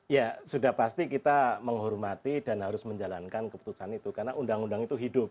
ya sudah pasti kita menghormati dan harus menjalankan keputusan itu karena undang undang itu hidup